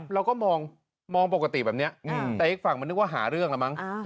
เราก็มองปกติแบบนี้แต่อีกฝั่งมันนึกว่าหาเรื่องแล้วมั้ง